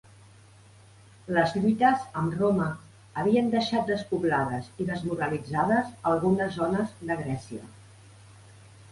Les lluites amb Roma havien deixat despoblades i desmoralitzades algunes zones de Grècia.